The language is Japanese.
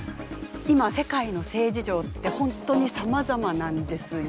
今世界の性事情ってほんとにさまざまなんですよ。